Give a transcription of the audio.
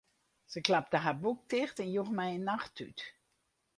Se klapte har boek ticht en joech my in nachttút.